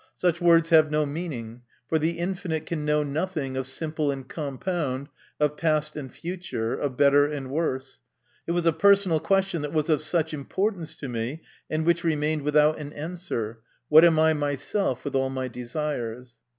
Such words MY CONFESSION. 43 have no meaning, for the infinite can know nothing of simple and compound, of past and future, of better and worse. It was a personal question that was of such importance to me, and which remained without an answer, ' What am I myself with all my desires